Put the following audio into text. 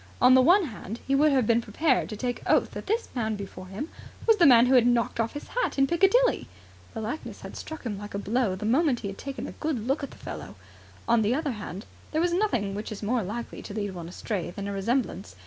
On the one hand, he would have been prepared to take oath that this man before him was the man who had knocked off his hat in Piccadilly. The likeness had struck him like a blow the moment he had taken a good look at the fellow. On the other hand, there is nothing which is more likely to lead one astray than a resemblance.